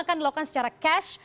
akan dilakukan secara cash